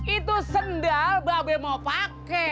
itu sendal mbak be mau pakai